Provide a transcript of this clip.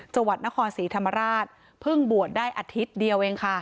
จังหวัดนครศรีธรรมราชเพิ่งบวชได้อาทิตย์เดียวเองค่ะ